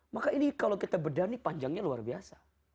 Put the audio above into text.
maka ini kalau kita bedah ini panjangnya luar biasa